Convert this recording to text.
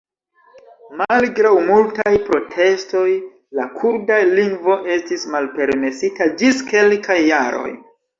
Malgraŭ multaj protestoj la kurda lingvo estis malpermesita ĝis kelkaj jaroj.